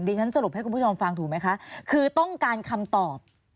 ฉันสรุปให้คุณผู้ชมฟังถูกไหมคะคือต้องการคำตอบ